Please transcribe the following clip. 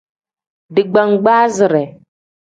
Digbangbaazire.